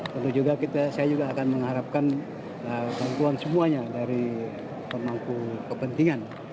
tentu juga saya juga akan mengharapkan bantuan semuanya dari pemangku kepentingan